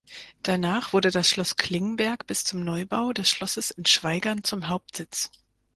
Danach wurde das Schloss Klingenberg bis zum Neubau des Schlosses in Schwaigern zum Hauptsitz.